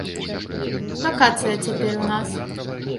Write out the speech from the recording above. Вакацыі цяпер у нас.